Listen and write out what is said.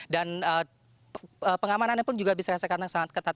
dan pengamanannya pun juga bisa dikatakan sangat ketat